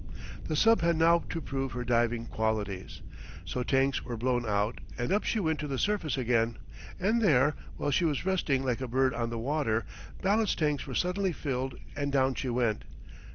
The sub had now to prove her diving qualities. So tanks were blown out and up she went to the surface again; and there, while she was resting like a bird on the water, ballast tanks were suddenly filled and down she went.